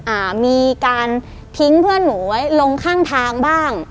อ่ามีการทิ้งเพื่อนหนูไว้ลงข้างทางบ้าง